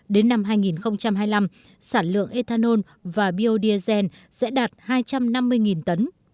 đến năm hai nghìn hai mươi năm sản lượng ethanol và biodia sẽ đạt hai trăm năm mươi tấn